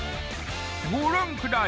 ご覧ください